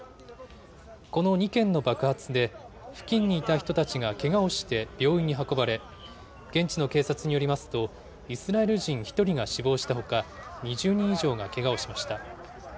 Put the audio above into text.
この２件の爆発で、付近にいた人たちがけがをして病院に運ばれ、現地の警察によりますと、イスラエル人１人が死亡したほか、２０人以上がけがをしました。